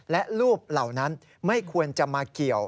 และรูปเหล่านั้นไม่ควรจะมาเกี่ยว